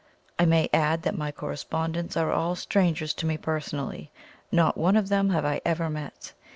I may add that my correspondents are all strangers to me personally not one of them have I ever met.